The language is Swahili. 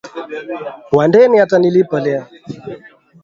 Wandeni ata nilipa leo